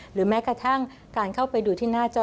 หรือแม้กระทั่งการเข้าไปดูที่หน้าจอ